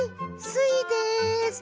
スイです。